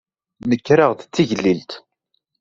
Nekreɣ-d d tigellilt.